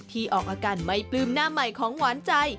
ออกอาการไม่ปลื้มหน้าใหม่ของหวานใจ